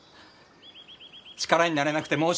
力になれなくて申し訳ない。